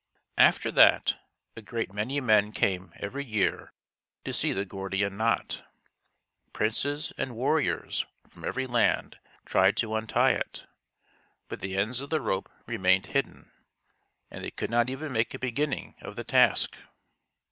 After that a great many men came every year to see the Gordian knot. Princes and warriors from every land tried to untie it; but the ends of the rope remained hidden, and they could not even make a beginning of the task.